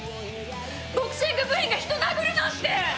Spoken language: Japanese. ボクシング部員が人を殴るなんて！